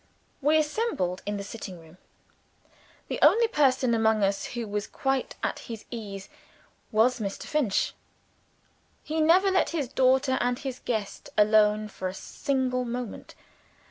We assembled in the sitting room. The only person among us who was quite at his ease was Mr. Finch. He never let his daughter and his guest alone for a single moment.